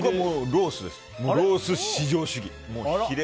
ロース至上主義。